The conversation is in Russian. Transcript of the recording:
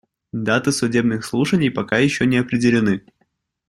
Даты судебных слушаний пока еще не определены.